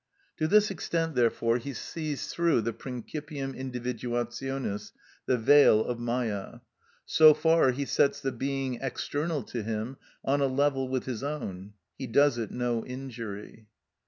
To this extent, therefore, he sees through the principium individuationis, the veil of Mâyâ; so far he sets the being external to him on a level with his own—he does it no injury.